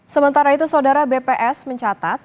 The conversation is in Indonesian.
sementara itu saudara bps mencatat